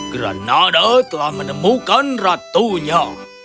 granada telah menemukan ratunya